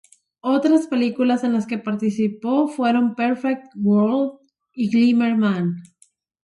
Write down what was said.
Otras películas, en las que participó fueron "Perfect World" y "Glimmer Man".